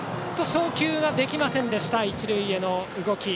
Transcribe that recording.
送球はできませんでした一塁への動き。